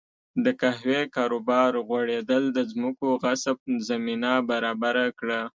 د قهوې کاروبار غوړېدل د ځمکو غصب زمینه برابره کړه.